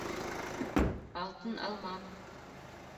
АЛТЫН АЛМА